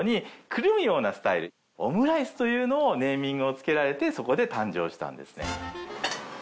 オムライスというネーミングを付けられてそこで誕生したんですね。